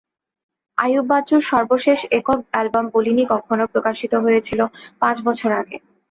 আইয়ুব বাচ্চুর সর্বশেষ একক অ্যালবাম বলিনি কখনো প্রকাশিত হয়েছিল পাঁচ বছর আগে।